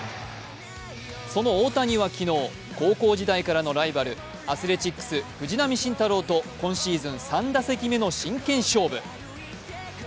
その大谷は昨日、高校時代からのライバル、アスレチックス・藤浪晋太郎と今シーズン３打席目の真剣勝負。